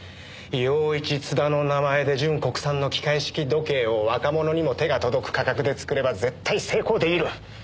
ヨウイチ・ツダの名前で純国産の機械式時計を若者にも手が届く価格で作れば絶対成功出来る！